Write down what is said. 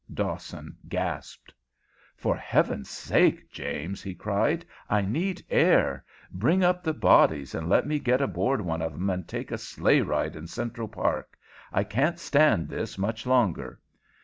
Dawson gasped. "For Heaven's sake, James," he cried, "I need air! Bring up the bodies, and let me get aboard one of 'em and take a sleigh ride in Central Park. I can't stand this much longer."